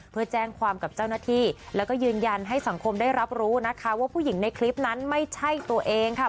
เพื่อแจ้งความกับเจ้าหน้าที่แล้วก็ยืนยันให้สังคมได้รับรู้นะคะว่าผู้หญิงในคลิปนั้นไม่ใช่ตัวเองค่ะ